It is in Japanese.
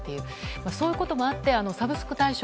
そういうこともあってサブスク大賞